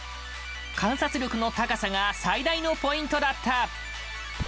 観察力の高さが最大のポイントだった！